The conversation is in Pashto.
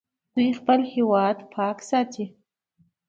دوی خپل هیواد پاک ساتي.